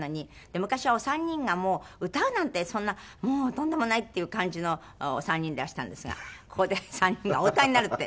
昔はお三人が歌うなんてそんなもうとんでもないっていう感じのお三人でいらしたんですがここで３人がお歌いになるって。